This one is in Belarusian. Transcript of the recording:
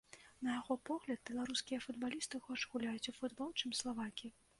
На яго погляд, беларускія футбалісты горш гуляюць у футбол, чым славакі.